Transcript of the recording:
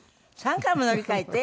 ３回も乗り換えて？